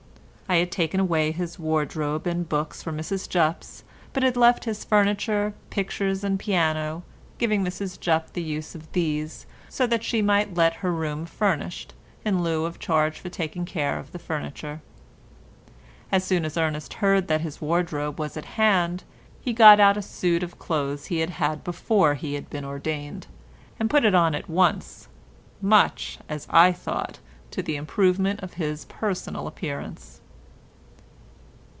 I had taken away his wardrobe and books from Mrs Jupp's, but had left his furniture, pictures and piano, giving Mrs Jupp the use of these, so that she might let her room furnished, in lieu of charge for taking care of the furniture. As soon as Ernest heard that his wardrobe was at hand, he got out a suit of clothes he had had before he had been ordained, and put it on at once, much, as I thought, to the improvement of his personal appearance.